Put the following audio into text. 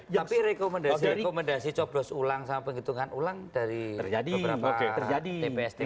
tapi rekomendasi copros ulang sama penghitungan ulang dari beberapa tps tms